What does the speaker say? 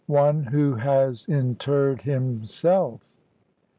ONE WHO HAS INTERRED HIMSELF.